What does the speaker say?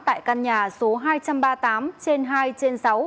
tại căn nhà số hai trăm ba mươi tám trên hai trên sáu